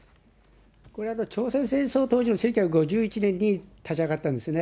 これは朝鮮戦争当時の１９５１年に立ち上がったんですね。